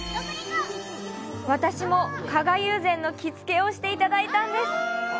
私も、加賀友禅着つけしていただいたんです。